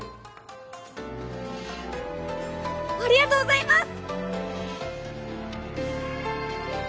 ありがとうございます！